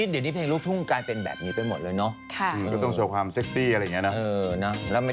เดี๋ยวนี้เพลงลูกทุ่งกลายเป็นแบบนี้ไปหมดเลยเนอะ